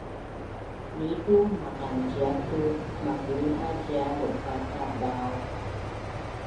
nitu maqanciap tu makuin a cia laupatadau?